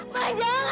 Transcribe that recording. mak jangan mak